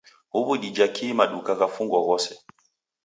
Huw'u dija kii maduka ghafungwa ghose?